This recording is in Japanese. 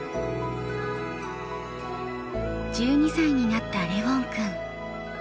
１２歳になったレウォン君。